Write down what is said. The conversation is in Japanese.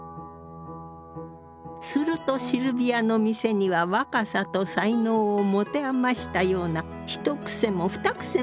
するとシルヴィアの店には若さと才能を持て余したような一癖も二癖もある作家たちが集まった。